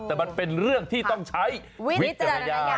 อันนี้เป็นเรื่องที่เราต้องใช้วิทยาลัยงาน